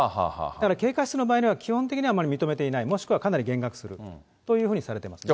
だから軽過失の場合には、基本的にはあまり認めていない、もしくはかなり減額するというふうにされています。